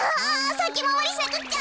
さきまわりしなくっちゃ。